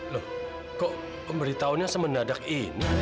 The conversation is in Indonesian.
loh kok memberitahunya semenadak ini